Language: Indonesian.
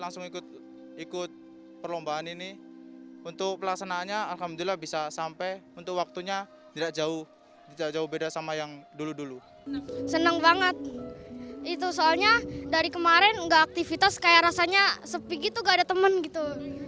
soalnya dari kemarin nggak aktivitas kayak rasanya sepi gitu gak ada temen gitu